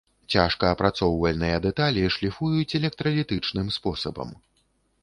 Цяжкаапрацоўвальныя дэталі шліфуюць электралітычным спосабам.